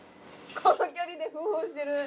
この距離でフフしてる。